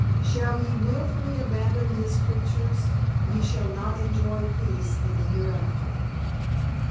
Shall ye wilfully abandon His creatures, ye shall not enjoy peace in the hereafter!